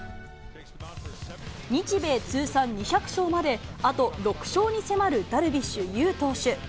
日米通算２００勝まで、あと６勝に迫るダルビッシュ有投手。